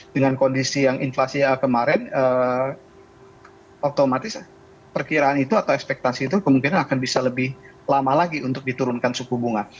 dengan kondisi yang inflasi kemarin otomatis perkiraan itu atau ekspektasi itu kemungkinan akan bisa lebih lama lagi untuk diturunkan suku bunga